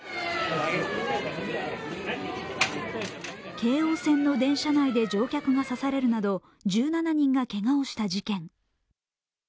京王線の電車内で乗客が刺されるなど１７人がけがをした事件。